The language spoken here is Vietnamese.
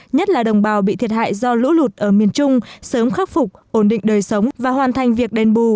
nhất là đồng bào bị thiệt hại do lũ lụt ở miền trung sớm khắc phục ổn định đời sống và hoàn thành việc đền bù